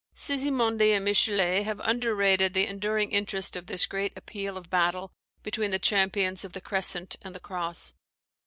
Sismondi and Michelet have underrated the enduring interest of this great Appeal of Battle between the champions of the Crescent and the Cross.